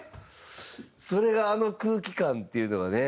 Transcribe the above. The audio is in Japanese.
それがあの空気感っていうのがね。